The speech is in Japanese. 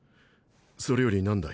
それより何だい？